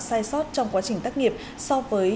sai sót trong quá trình tắc nghiệp so với